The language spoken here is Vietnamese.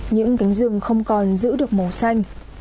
những cánh rừng không còn giữ được màu xanh